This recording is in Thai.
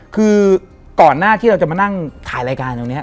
คือก่อนหน้าที่เราจะมานั่งถ่ายรายการตรงนี้